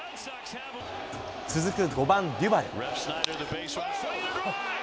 続く５番デュバル。